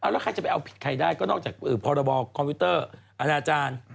แล้วใครจะไปเอาผิดใครได้ก็นอกจากพรบคอมพิวเตอร์อาณาจารย์